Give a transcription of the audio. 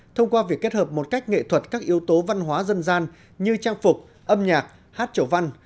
thông qua việc kết hợp một cách nghệ thuật các yếu tố văn hóa dân gian như trang phục âm nhạc hát trầu văn